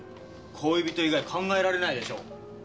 恋人以外考えられないでしょ。